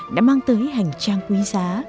đã mang tới hành trang quý giá